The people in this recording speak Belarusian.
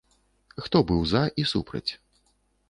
Хто быў за і супраць?